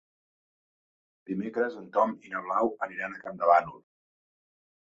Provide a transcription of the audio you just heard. Dimecres en Tom i na Blau aniran a Campdevànol.